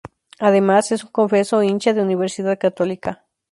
Además, es un confeso hincha de Universidad Católica.